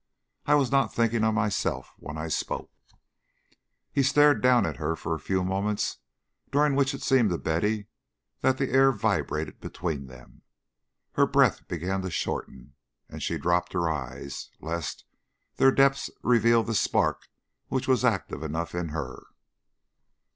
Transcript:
I was not thinking of myself when I spoke." He stared down at her for a few moments, during which it seemed to Betty that the air vibrated between them. Her breath began to shorten, and she dropped her eyes, lest their depths reveal the spark which was active enough in her.